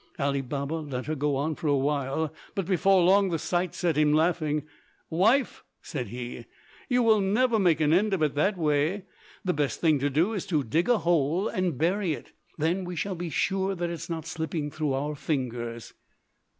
Ali Baba let her go on for awhile, but before long the sight set him laughing. "Wife," said he, "you will never make an end of it that way. The best thing to do is to dig a hole and bury it, then we shall be sure that it is not slipping through our fingers."